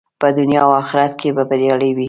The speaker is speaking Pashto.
په دنیا او آخرت کې به بریالی وي.